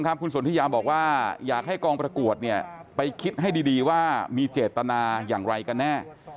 คุณสนทิยาบอกว่าอยากให้กองประกวดไปคิดให้ดีว่ามีเจตนาอย่างไรกันแน่